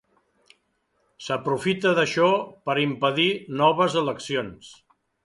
S'aprofita d'això per impedir noves eleccions.